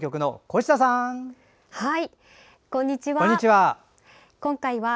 こんにちは。